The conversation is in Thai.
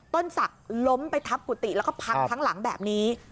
ต้นศักดิ์ล้มไปทับกุฏิแล้วก็พังทั้งหลังแบบนี้